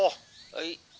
はい。